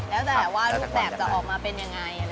แล้วแต่ว่ารูปแบบจะออกมาเป็นอย่างไรใช่ไหมคะ